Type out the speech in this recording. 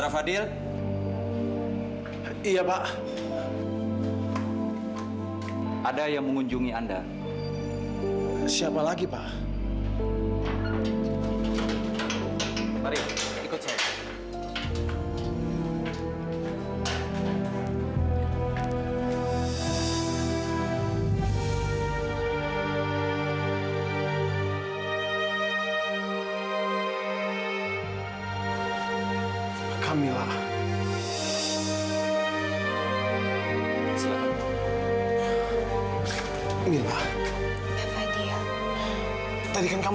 agar edo bisa melaksanakan tes dna